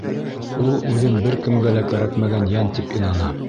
Ул үҙен бер кемгә лә кәрәкмәгән йән тип инана.